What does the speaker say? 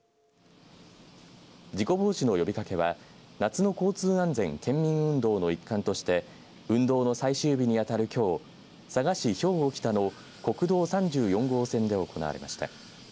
事故防止の呼びかけは夏の交通安全県民運動の一環として運動の最終日に当たるきょう佐賀市兵庫北の国道３４号線で行われました。